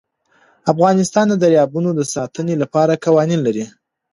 افغانستان د دریابونه د ساتنې لپاره قوانین لري.